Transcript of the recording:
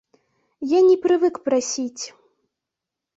Я не прывык прасіць.